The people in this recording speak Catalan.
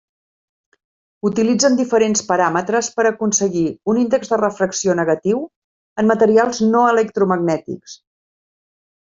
Utilitzen diferents paràmetres per aconseguir un índex de refracció negatiu en materials no electromagnètics.